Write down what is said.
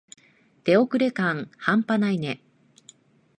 手遅れ感はんぱないね。